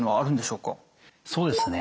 そうですね。